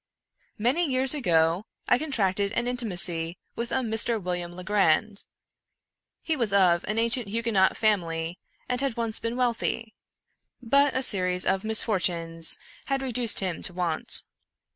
Many years ago, I contracted an intimacy with a Mr. William Legrand. He was of an ancient Huguenot fam ily, and had once been wealthy: but a series of misfor 124 Edzar Allan Poc "&> tunes had reduced him to want.